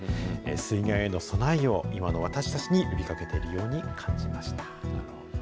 水害への備えを、今の私たちに呼びかけているように感じました。